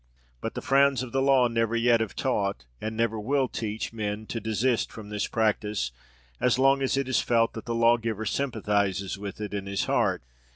But the frowns of the law never yet have taught, and never will teach, men to desist from this practice, as long as it is felt that the lawgiver sympathises with it in his heart.